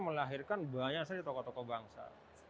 melahirkan banyak sekali tokoh tokoh bangsa